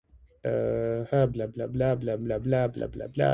This is the first time Wiglaf has gone to war at Beowulf's side.